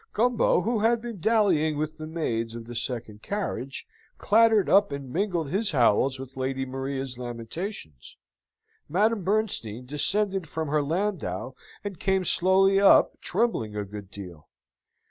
Gumbo, who had been dallying with the maids of the second carriage, clattered up, and mingled his howls with Lady Maria's lamentations. Madame Bernstein descended from her landau, and came slowly up, trembling a good deal.